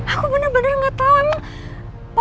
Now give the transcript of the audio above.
aku bener bener ga tau emang papa ga bisa apa percaya sama aku